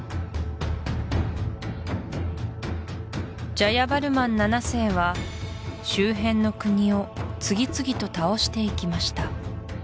ジャヤバルマン７世は周辺の国を次々と倒していきました